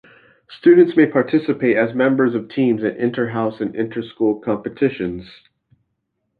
Students may participate as members of teams in inter-house and inter-school competitions.